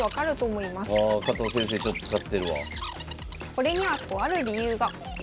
これにはとある理由が。